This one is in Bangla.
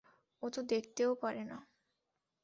ও তো দেখতেও পারে না!